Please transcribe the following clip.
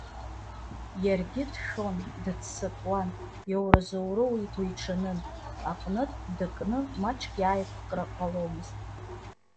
Иаргьы дшәон, дыццакуан, иоуразоуроу игәиҽанын аҟнытә, дыкны маҷк иааиқәкра ҟаломызт.